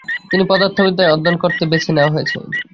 তিনি পদার্থবিদ্যা অধ্যয়ন করতে বেছে নেওয়া হয়েছে।